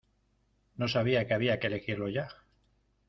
No sabía que había que elegirlo ya.